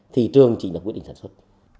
thị trường chỉ là quyết định sản xuất